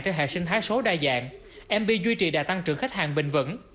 trên hệ sinh thái số đa dạng mv duy trì đạt tăng trưởng khách hàng bình vẩn